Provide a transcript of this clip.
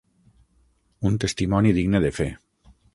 Un testimoni digne de fe.